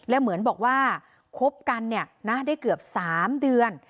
และเหมือนบอกว่าคบกันได้เกือบ๓เดือน